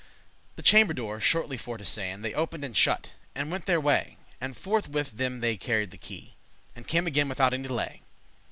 The chamber doore, shortly for to sayn, They opened and shut, and went their way, And forth with them they carried the key; And came again without any delay.